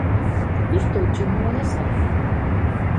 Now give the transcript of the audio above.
_Gustouche o meu agasallo?